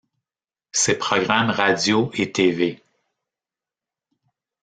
Ses programmes radio et t.v.